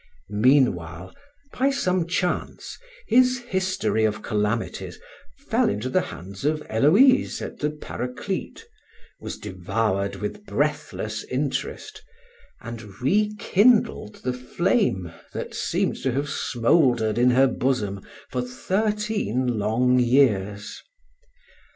Meanwhile, by some chance, his 'History of Calamities' fell into the hands of Héloïse at the Paraclete, was devoured with breathless interest, and rekindled the flame that seemed to have smoldered in her bosom for thirteen long years.